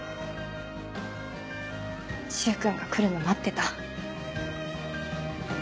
柊君が来るの待ってた。